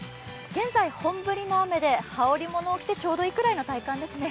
現在、本降りの雨で羽織り物をしてちょうどいいくらいの体感ですね。